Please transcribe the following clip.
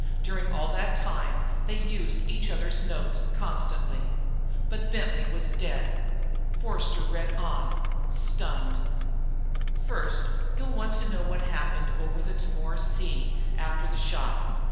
During all that time they had used each other's notes constantly. But Bentley was dead. Forster read on, stunned: First, you'll want to know what happened over the Timor Sea after the shot.